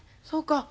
そうか。